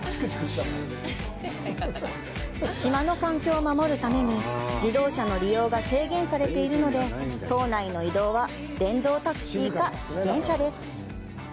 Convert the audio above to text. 島の環境を守るために自動車の利用が制限されているので島内の移動は電動タクシーか自転車です。